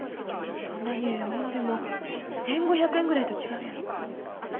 どんなにええもんでも１，５００円ぐらいと違うやろか。